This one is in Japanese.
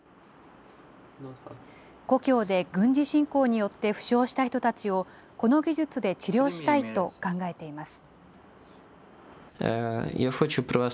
故郷で軍事侵攻によって負傷した人たちを、この技術で治療したいと考えています。